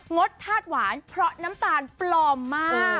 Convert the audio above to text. ดธาตุหวานเพราะน้ำตาลปลอมมาก